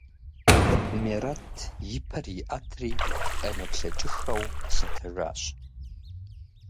Мерэт и пэр иӀэтри къемыплъэкӀыххэу лъэтэжащ.